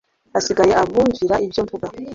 hasigaye abumvira ibyo mvuga